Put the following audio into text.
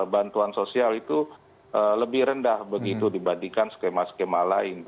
bantuan sosial itu lebih rendah begitu dibandingkan skema skema lain